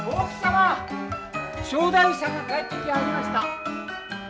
正太夫さんが帰ってきはりました。